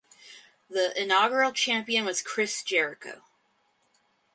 The inaugural champion was Chris Jericho.